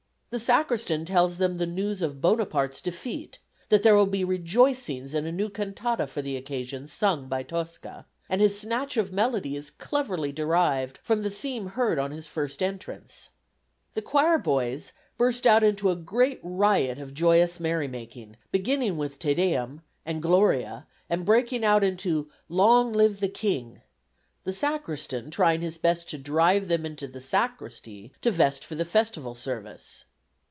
The Sacristan tells them the news of Bonaparte's defeat, that there will be rejoicings and a new cantata for the occasion sung by Tosca, and his snatch of melody is cleverly derived from the theme heard on his first entrance. The choir boys burst out into a great riot of joyous merrymaking, beginning with "Te Deum" and "Gloria," and breaking out into "Long live the King," the Sacristan trying his best to drive them into the sacristy to vest for the festival service.